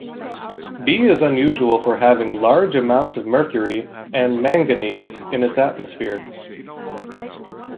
B is unusual for having large amounts of mercury and manganese in its atmosphere.